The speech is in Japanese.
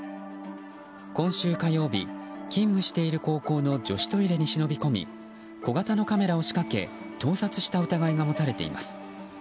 今週火曜日、勤務している高校の女子トイレに忍び込み小型のカメラを仕掛け盗撮した疑いが持たれています。